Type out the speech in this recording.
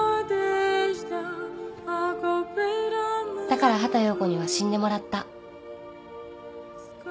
だから畑葉子には死んでもらった。